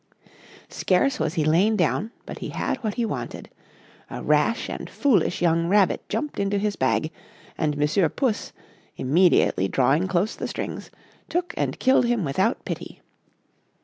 Scarce was he lain down, but he had what he wanted; a rash and foolish young rabbit jumped into his bag, and Monsieur Puss, immediately drawing close the strings, took and killed him without pity.